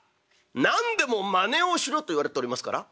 何でもまねをしろと言われておりますから。